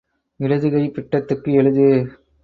இடது கை பிட்டத்துக்கு எளிது.